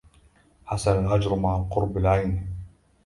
حسن الهجر مع القرب لعيني